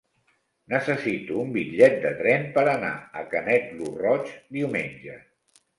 Necessito un bitllet de tren per anar a Canet lo Roig diumenge.